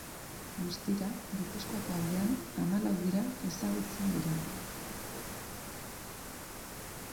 Guztira, Gipuzkoako aldean, hamalau dira ezagutzen dira.